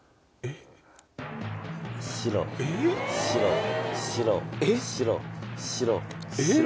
白白白白白。